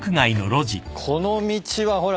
この道はほら